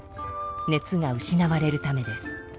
熱が失われるためです。